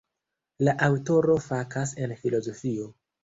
La aŭtoro fakas en filozofio.